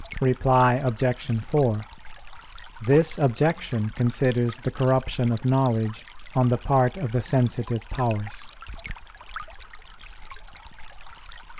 Reply Obj. 4: This objection considers the corruption of knowledge on the part of the sensitive powers.